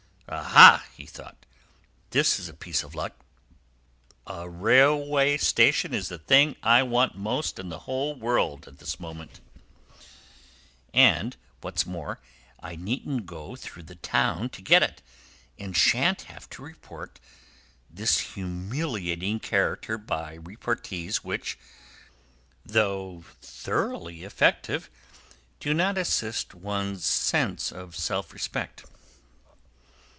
"Aha!" he thought, "this is a piece of luck! A railway station is the thing I want most in the whole world at this moment; and what's more, I needn't go through the town to get it, and shan't have to support this humiliating character by repartees which, though thoroughly effective, do not assist one's sense of self respect."